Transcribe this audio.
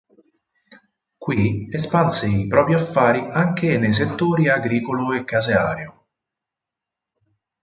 Qui espanse i propri affari anche nei settori agricolo e caseario.